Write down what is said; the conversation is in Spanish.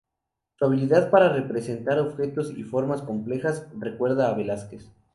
Su habilidad para representar objetos y formas complejas recuerda a Velázquez.